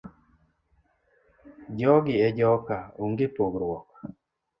Jogi e joka onge pogruok.